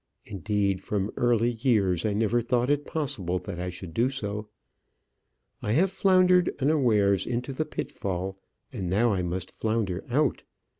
Indeed, from early years I never thought it possible that I should do so. I have floundered unawares into the pitfall, and now I must flounder out.